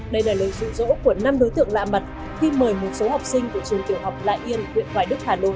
đây là lời rụ rỗ của năm đối tượng lạ mặt khi mời một số học sinh của trường tiểu học lại yên huyện hoài đức hà nội